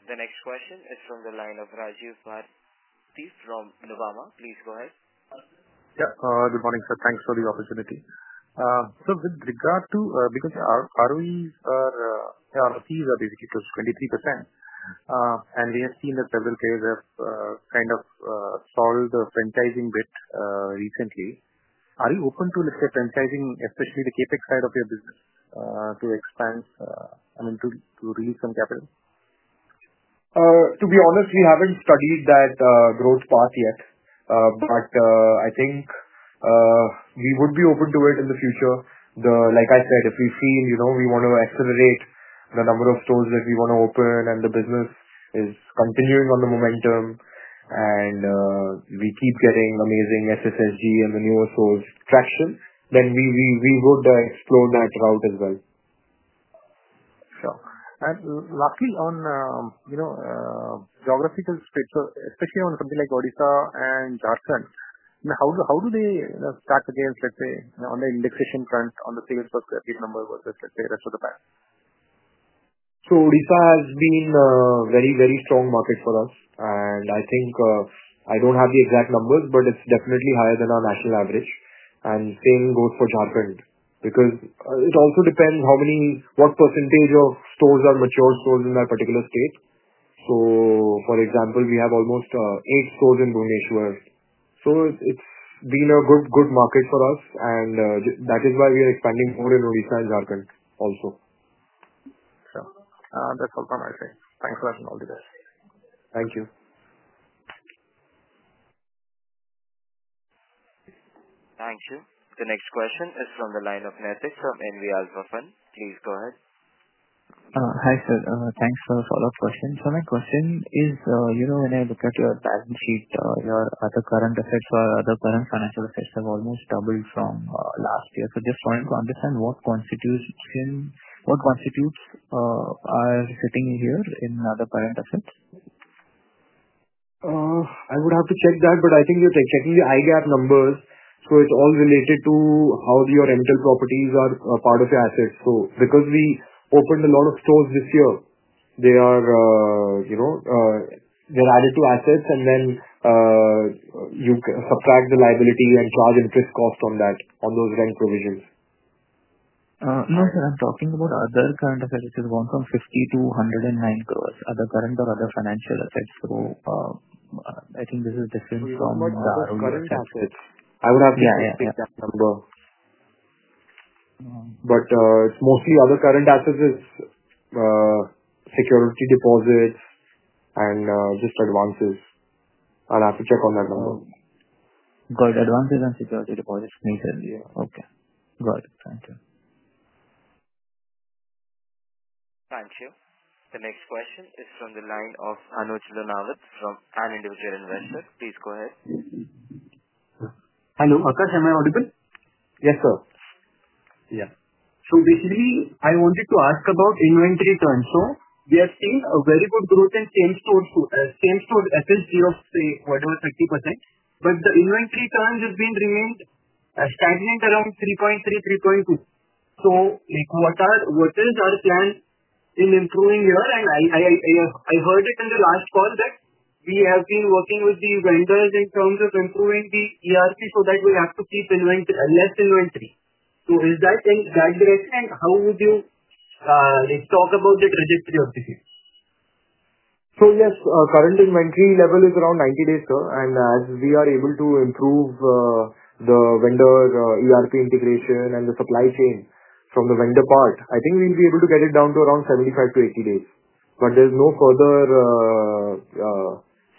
S1: The next question is from the line of Rajiv Bharati from Nuvama. Please go ahead.
S7: Yeah. Good morning, sir. Thanks for the opportunity. With regard to because our ROEs, our ROCs are basically close to 23%. We have seen that several players have kind of solved the franchising bit recently. Are you open to, let's say, franchising, especially the CapEx side of your business, to expand and to read some capital?
S2: To be honest, we haven't studied that growth path yet. I think we would be open to it in the future. Like I said, if we feel we want to accelerate the number of stores that we want to open and the business is continuing on the momentum and we keep getting amazing SSSG and the newer stores' traction, we would explore that route as well.
S7: Sure. Lastly, on geographical space, especially on something like Odisha and Jharkhand, how do they stack against, let's say, on the indexation front, on the sales per sq ft number versus, let's say, the rest of the band?
S2: Odisha has been a very, very strong market for us. I think I do not have the exact numbers, but it is definitely higher than our national average. The same goes for Jharkhand because it also depends what percentage of stores are mature stores in that particular state. For example, we have almost eight stores in Bhubaneswar. It has been a good market for us. That is why we are expanding more in Odisha and Jharkhand also.
S7: Sure. That's all from my side. Thanks for the help and all the best.
S2: Thank you.
S1: Thank you. The next question is from the line of [Netflix] from NV Alpha Fund. Please go ahead. Hi, sir. Thanks for the follow-up question. My question is, when I look at your balance sheet, your other current assets or other current financial assets have almost doubled from last year. I just wanted to understand what constitutes or is sitting here in other current assets?
S2: I would have to check that, but I think you're checking the IGAP numbers. It is all related to how your rental properties are part of your assets. Because we opened a lot of stores this year, they are added to assets, and then you subtract the liability and charge interest cost on those rent provisions. No, sir. I'm talking about other current assets. It goes from 50-109 crore, other current or other financial assets. I think this is different from the ROE assets. I would have to check that number. It's mostly other current assets, security deposits, and just advances. I'll have to check on that number. Got it. Advances and security deposits. Okay. Got it. Thank you.
S1: Thank you. The next question is from the line of Anuj Lunawat from Individual Investor. Please go ahead.
S8: Hello. Akash, am I audible?
S1: Yes, sir.
S2: Yeah.
S8: Basically, I wanted to ask about inventory terms. We have seen a very good growth in same-store SSSG of, say, whatever, 30%. The inventory terms have remained stagnant around 3.3-3.2. What is our plan in improving here? I heard in the last call that we have been working with the vendors in terms of improving the ERP so that we have to keep less inventory. Is that in that direction? How would you talk about the trajectory of this year?
S2: Yes, current inventory level is around 90 days, sir. As we are able to improve the vendor ERP integration and the supply chain from the vendor part, I think we'll be able to get it down to around 75-80 days. There is no further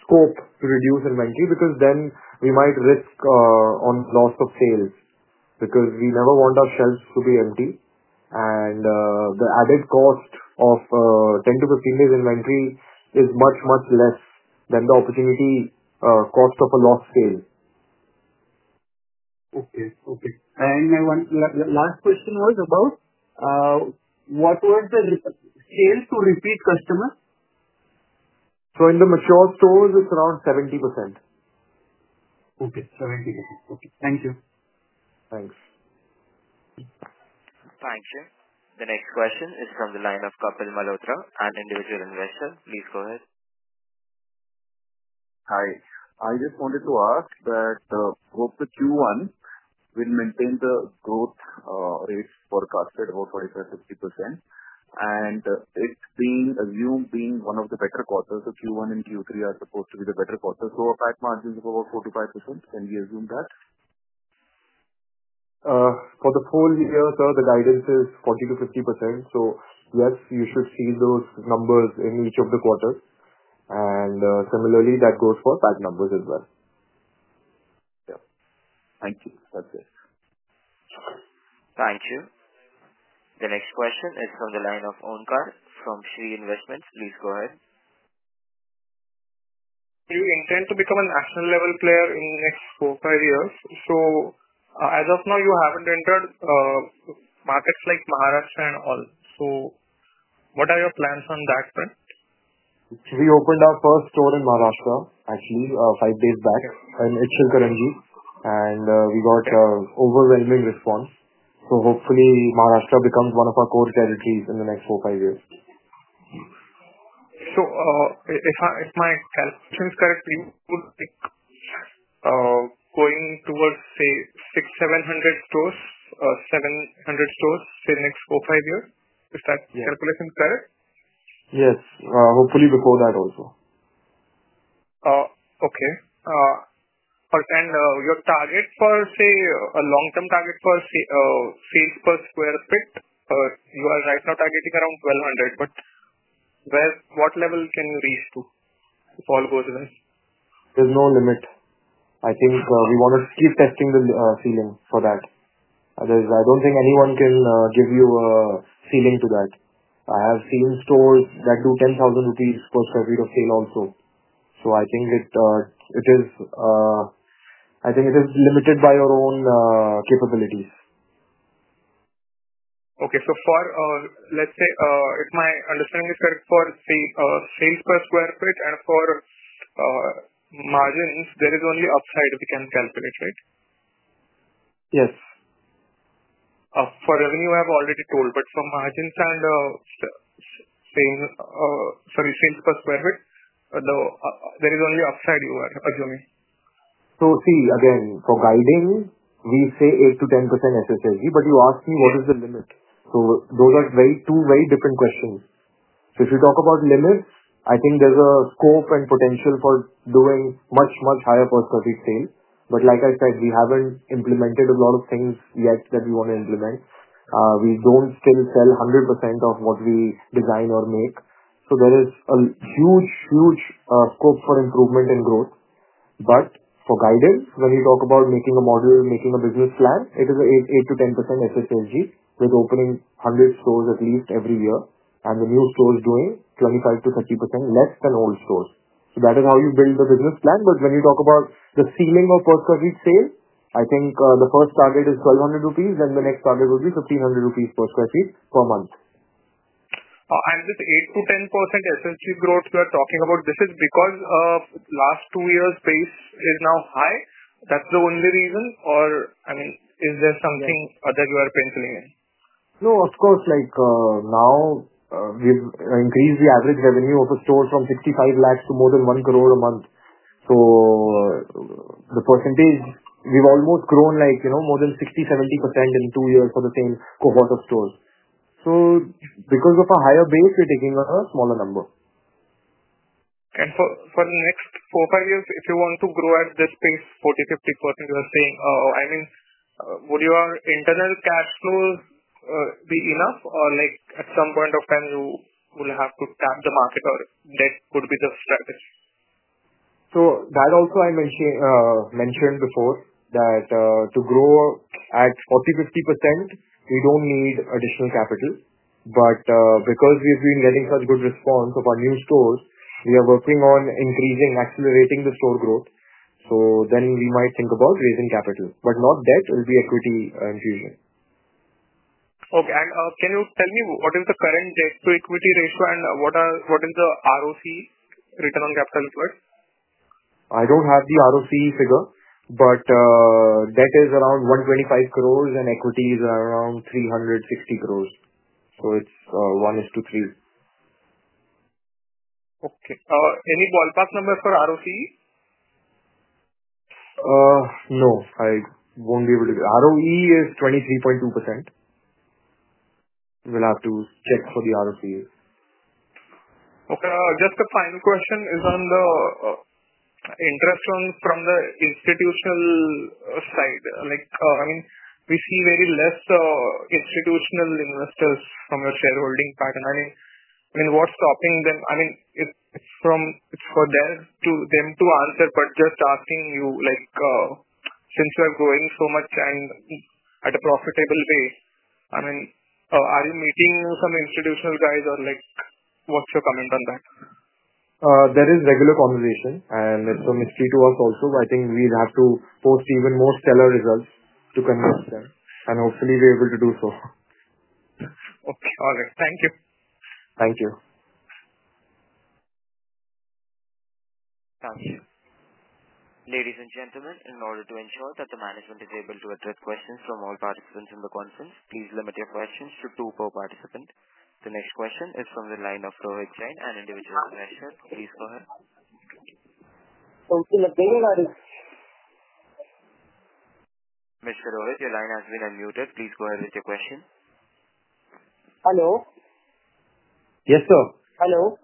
S2: scope to reduce inventory because then we might risk on loss of sales because we never want our shelves to be empty. The added cost of 10-15 days inventory is much, much less than the opportunity cost of a lost sale.
S8: Okay. Okay. My last question was about what was the sales to repeat customer?
S2: In the mature stores, it's around 70%.
S8: Okay. 70%. Okay. Thank you. Thanks.
S1: Thank you. The next question is from the line of Kapil Malhotra, individual investor. Please go ahead.
S9: Hi. I just wanted to ask that hope the Q1 will maintain the growth rates forecasted, about 25%, 50%. It is being assumed being one of the better quarters. Q1 and Q3 are supposed to be the better quarters. A PAT margin of about 45%. Can we assume that?
S2: For the full year, sir, the guidance is 40%-50%. Yes, you should see those numbers in each of the quarters. Similarly, that goes for PAT numbers as well.
S9: Yeah. Thank you. That's it.
S1: Thank you. The next question is from the line of Oankar from Shree Investments. Please go ahead. You intend to become a national-level player in the next four, five years. As of now, you haven't entered markets like Maharashtra and all. What are your plans on that front?
S2: We opened our first store in Maharashtra, actually, five days back in Ichalkaranji. And we got an overwhelming response. So hopefully, Maharashtra becomes one of our core territories in the next four, five years. If my calculation is correct, you would be going towards, say, 600-700 stores say next four, five years. Is that calculation correct? Yes. Hopefully, before that also. Okay. And your target for, say, a long-term target for sales per sq ft, you are right now targeting around 1,200. What level can you reach to if all goes well? There's no limit. I think we want to keep testing the ceiling for that. I don't think anyone can give you a ceiling to that. I have seen stores that do INR 10,000 per sq ft of sale also. I think it is limited by your own capabilities. Okay. So let's say, if my understanding is correct, for, say, sales per sq ft and for margins, there is only upside we can calculate, right? Yes. For revenue, I have already told. For margins and, sorry, sales per sq ft, there is only upside you are assuming. See, again, for guiding, we say 8%-10% SSSG. You asked me what is the limit. Those are two very different questions. If you talk about limits, I think there is a scope and potential for doing much, much higher per sq ft sale. Like I said, we have not implemented a lot of things yet that we want to implement. We do not still sell 100% of what we design or make. There is a huge, huge scope for improvement and growth. For guidance, when you talk about making a model, making a business plan, it is 8%-10% SSSG with opening at least 100 stores every year, and the new stores doing 25%-30% less than old stores. That is how you build the business plan. When you talk about the ceiling of per sq ft sale, I think the first target is 1,200 rupees, then the next target would be 1,500 rupees per sq ft per month. This 8%-10% SSSG growth you are talking about, this is because last two years' base is now high. That's the only reason? I mean, is there something other you are penciling in? No, of course. Now we've increased the average revenue of a store from 6.5 million to more than 10 million a month. So the percentage, we've almost grown more than 60%-70% in two years for the same cohort of stores. Because of a higher base, we're taking a smaller number. For the next four, five years, if you want to grow at this pace, 40%-50%, you are saying, I mean, would your internal cash flow be enough, or at some point of time, you will have to tap the market, or that would be the strategy? That also I mentioned before that to grow at 40%-50%, we do not need additional capital. Because we have been getting such good response of our new stores, we are working on increasing, accelerating the store growth. Then we might think about raising capital. Not debt, it will be equity infusion. Okay. Can you tell me what is the current debt-to-equity ratio and what is the ROC, return on capital? I don't have the ROC figure, but debt is around 125 crore and equity is around 360 crore. So it's 1:3. Okay. Any ballpark number for ROE? No. I won't be able to give you. ROE is 23.2%. We'll have to check for the ROCA. Okay. Just a final question is on the interest from the institutional side. I mean, we see very few institutional investors from your shareholding pattern. I mean, what's stopping them? I mean, it's for them to answer, but just asking you, since you are growing so much and at a profitable pace, I mean, are you meeting some institutional guys, or what's your comment on that? There is regular conversation, and it's a mystery to us also. I think we'll have to post even more stellar results to convince them. Hopefully, we're able to do so. Okay. All right. Thank you. Thank you.
S1: Thank you. Ladies and gentlemen, in order to ensure that the management is able to address questions from all participants in the conference, please limit your questions to two per participant. The next question is from the line of Rohit Jain, an individual investor. Please go ahead. Mr. Rohit, your line has been unmuted. Please go ahead with your question.
S10: Hello?
S2: Yes, sir.
S10: Hello.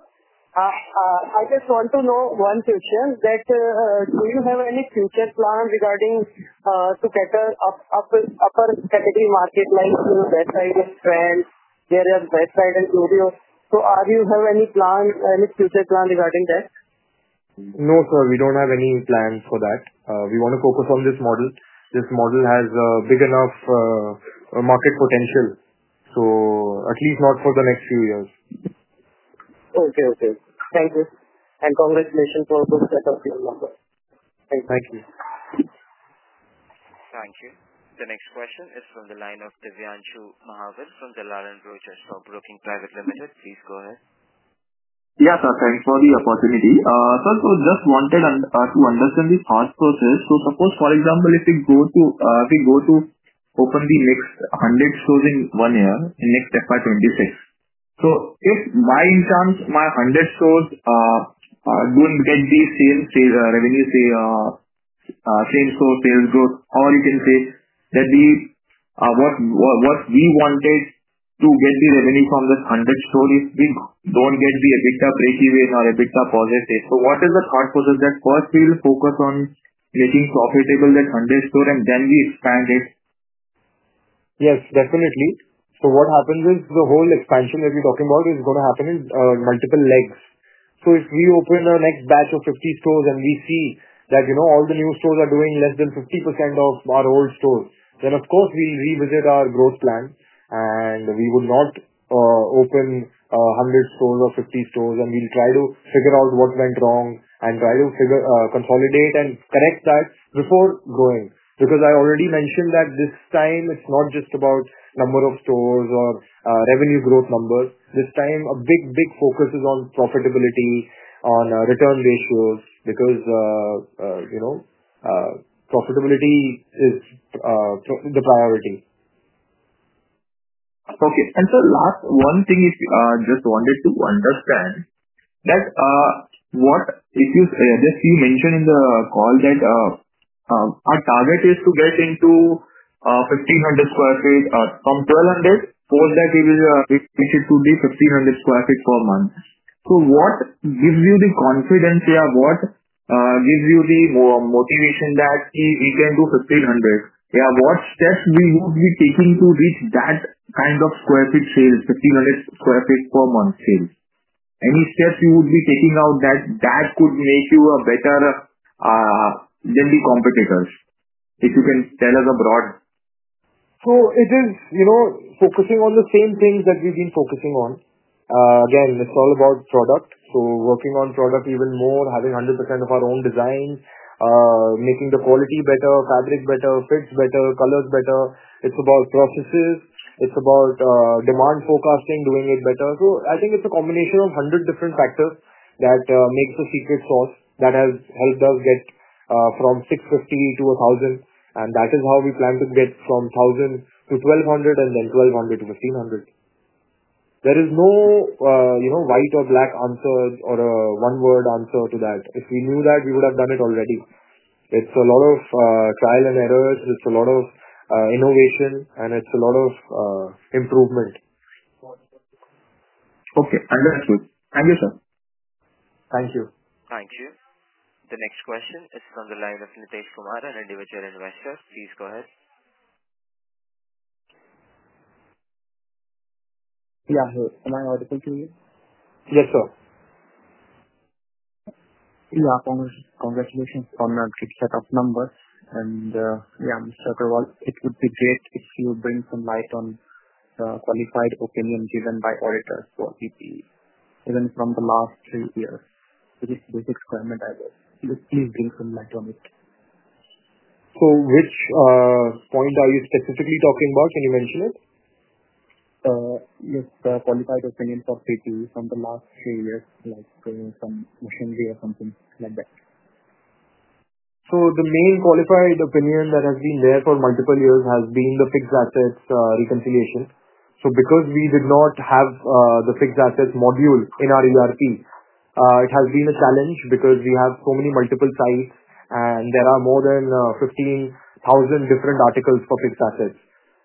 S10: I just want to know one question. Do you have any future plans regarding to get an upper category market like the best-selling brand? There are best-selling studios. Do you have any future plans regarding that?
S2: No, sir. We don't have any plans for that. We want to focus on this model. This model has a big enough market potential, so at least not for the next few years.
S10: Okay. Okay. Thank you. Congratulations for the setup. Thank you.
S2: Thank you.
S1: Thank you. The next question is from the line of Devanshu Mahawar from Dalal & Brocha Stockbroking Private Limited. Please go ahead.
S6: Yes, sir. Thanks for the opportunity. First of all, I just wanted to understand this hard process. Suppose, for example, if we go to open the next 100 stores in one year, in next FY26. If by any chance my 100 stores do not get the same revenue, say, same-store sales growth, or you can say that what we wanted to get the revenue from these 100 stores is we do not get the EBITDA breakeven or EBITDA positive. What is the thought process that first we will focus on making profitable that 100 stores and then we expand it? Yes, definitely. What happens is the whole expansion that we are talking about is going to happen in multiple legs.
S2: If we open a next batch of 50 stores and we see that all the new stores are doing less than 50% of our old stores, then of course, we'll revisit our growth plan. We would not open 100 stores or 50 stores, and we'll try to figure out what went wrong and try to consolidate and correct that before growing. I already mentioned that this time, it's not just about number of stores or revenue growth numbers. This time, a big, big focus is on profitability, on return ratios, because profitability is the priority.
S6: Okay. Sir, last one thing, I just wanted to understand that what you mentioned in the call, that our target is to get into 1,500 sq ft. From 1,200, post that, we will reach it to be 1,500 sq ft per month. What gives you the confidence, or what gives you the motivation that we can do 1,500? What steps would we be taking to reach that kind of sq ft sales, 1,500 sq ft per month sales? Any steps you would be taking out that could make you better than the competitors? If you can tell us abroad.
S2: It is focusing on the same things that we've been focusing on. Again, it's all about product. Working on product even more, having 100% of our own designs, making the quality better, fabric better, fits better, colors better. It's about processes. It's about demand forecasting, doing it better. I think it's a combination of 100 different factors that make the secret sauce that has helped us get from 650 to 1,000. That is how we plan to get from 1,000 to 1,200 and then 1,200 to 1,500. There is no white or black answer or a one-word answer to that. If we knew that, we would have done it already. It's a lot of trial and errors. It's a lot of innovation, and it's a lot of improvement.
S6: Okay. Understood. Thank you, sir.
S2: Thank you.
S1: Thank you. The next question is from the line of Nitesh Kumar, an Individual Investor. Please go ahead.
S11: Yeah. [My article to you?]
S2: Yes, sir.
S11: Yeah. Congratulations on the good setup numbers. Yeah, Mr. Agarwal, it would be great if you bring some light on the qualified opinion given by auditors for PPE, even from the last three years. It is a basic comment, I guess. Please bring some light on it.
S2: Which point are you specifically talking about? Can you mention it?
S11: Yes. The qualified opinion for [PPE] from the last three years, like some machinery or something like that.
S2: The main qualified opinion that has been there for multiple years has been the fixed assets reconciliation. Because we did not have the fixed assets module in our ERP, it has been a challenge because we have so many multiple sites, and there are more than 15,000 different articles for fixed assets.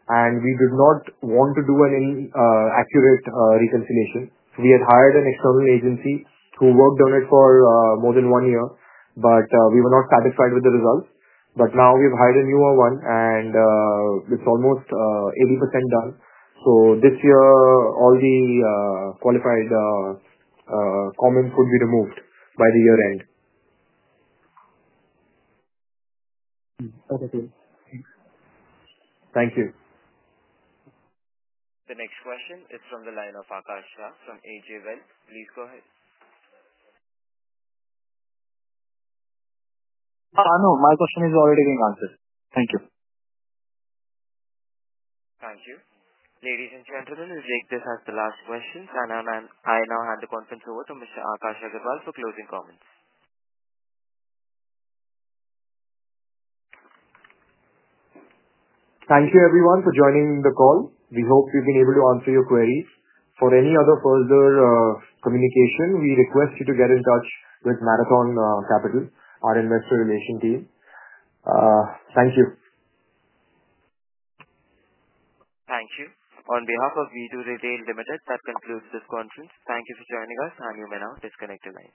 S2: We did not want to do an accurate reconciliation. We had hired an external agency who worked on it for more than one year, but we were not satisfied with the results. Now we've hired a newer one, and it's almost 80% done. This year, all the qualified comments would be removed by the year end.
S11: Okay. Thanks.
S2: Thank you.
S1: The next question is from the line of Akash Shah from AJ Wealth. Please go ahead.
S2: No, my question is already being answered. Thank you.
S1: Thank you. Ladies and gentlemen, we'll take this as the last question. I now hand the conference over to Mr. Akash Agarwal for closing comments.
S2: Thank you, everyone, for joining the call. We hope we've been able to answer your queries. For any other further communication, we request you to get in touch with Marathon Capital, our investor relation team. Thank you.
S1: Thank you. On behalf of V2 Retail Limited, that concludes this conference. Thank you for joining us, and you may now disconnect at the end.